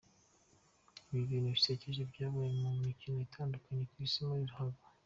Ibi bintu bisekeje byabaye mu mikino itandukanye ku isi muri ruhago.